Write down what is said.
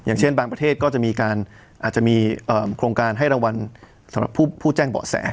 อย่างเช่นบางประเทศก็จะมีการอาจจะมีโครงการให้รางวัลสำหรับผู้แจ้งเบาะแส